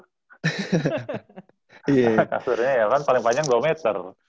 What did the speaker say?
iya kasurnya ya kan paling panjang dua meter